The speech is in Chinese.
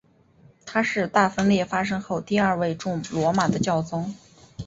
他是大分裂发生后第二位驻罗马的教宗。